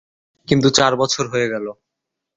কিন্তু চার বছর হয়ে গেল।